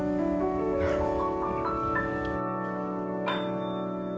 なるほど。